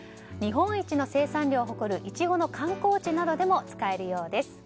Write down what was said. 日本一の生産数を誇るイチゴの観光地でも使えるようです。